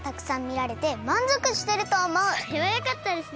それはよかったですね。